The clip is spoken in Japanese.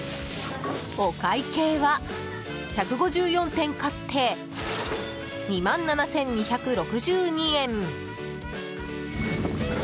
お会計は、１５４点買って２万７２６２円！